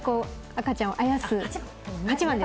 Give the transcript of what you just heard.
赤ちゃんをあやす。